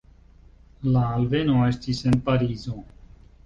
La alveno estis en Parizo.